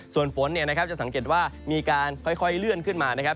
ส่วนฝนจะสังเกตว่ามีการค่อยเลื่อนขึ้นมานะครับ